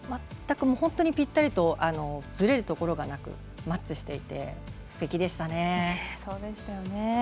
本当にぴったりとずれるところがなくマッチしていて、すてきでしたね。